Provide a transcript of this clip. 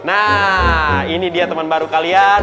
nah ini dia teman baru kalian